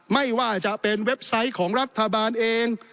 ไม่ว่าจะเป็นเว็บไซต์ของรัฐบาลเอง